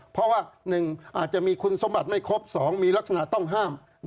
เพราะว่า๑อาจจะมีคุณสมบัติไม่ครบ๒มีลักษณะต้องห้าม